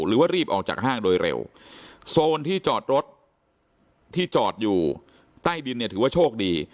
หรือว่ารีบออกจากห้างโดยเร็วโซนที่จอดรถที่จอดอยู่ใต้ดินเนี่ยถือว่าโชคดี